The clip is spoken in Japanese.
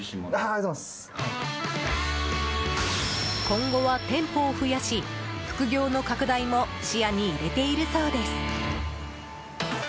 今後は店舗を増やし副業の拡大も視野に入れているそうです。